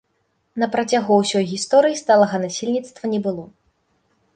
На працягу ўсёй гісторыі сталага насельніцтва не было.